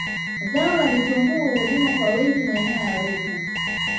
Zao la vitungui hulimwa wa wingi maeneo ya Ruvu